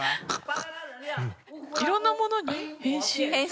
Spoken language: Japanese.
色んなものに変身？